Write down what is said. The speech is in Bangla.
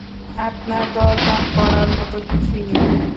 আপনার দরদাম করার মতো কিছুই নেই।